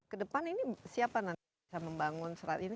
kedepan ini siapa nanti bisa membangun serat ini